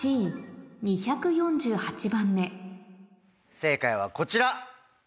正解はこちら。